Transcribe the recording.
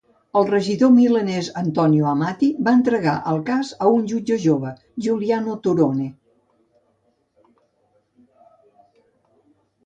El regidor milanès Antonio Amati va entregar el cas a un jutge jove, Giuliano Turone.